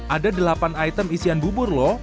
ada delapan item isian bubur loh